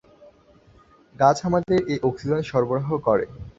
গাছ আমাদের এই অক্সিজেন সরবরাহ করে।